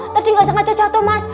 tadi nggak sengaja jatuh mas